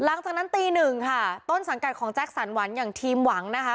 หลังจากนั้นตีหนึ่งค่ะต้นสังกัดของแจ็คสันหวังอย่างทีมหวังนะคะ